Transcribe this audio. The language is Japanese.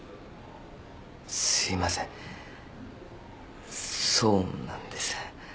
すいませんそうなんです。